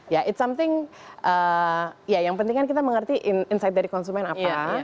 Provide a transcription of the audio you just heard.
ya it's something ya yang penting kita mengerti insight dari konsumen apa